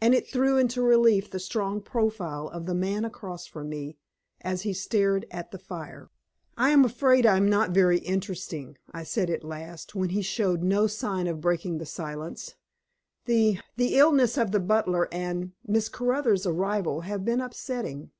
And it threw into relief the strong profile of the man across from me, as he stared at the fire. "I am afraid I am not very interesting," I said at last, when he showed no sign of breaking the silence. "The the illness of the butler and Miss Caruthers' arrival, have been upsetting."